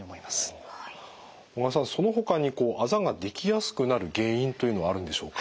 小川さんそのほかにあざができやすくなる原因というのはあるんでしょうか？